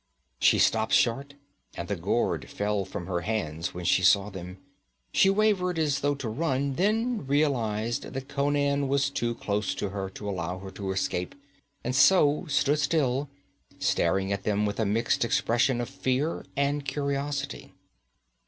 She stopped short and the gourd fell from her hands when she saw them; she wavered as though to run, then realized that Conan was too close to her to allow her to escape, and so stood still, staring at them with a mixed expression of fear and curiosity.